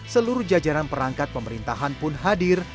seluruh jajaran perangkat pemerintahan pun hadir